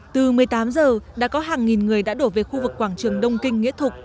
từ một mươi tám giờ đã có hàng nghìn người đã đổ về khu vực quảng trường đông kinh nghĩa thục